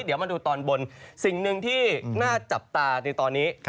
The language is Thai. เดี๋ยวมาดูตอนบนสิ่งหนึ่งที่น่าจับตาในตอนนี้